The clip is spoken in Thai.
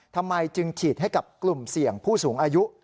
ทำไมจึงฉีดให้กับกลุ่มเสี่ยงผู้สูงอายุ